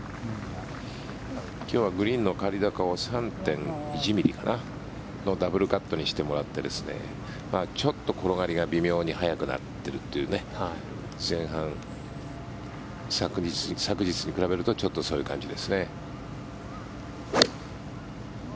今日はグリーンの刈り高を３．１ミリのダブルカットにしてもらってちょっと転がりが微妙に速くなってるという前半、昨日に比べるとちょっとそういう感じですね。